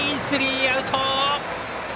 スリーアウト。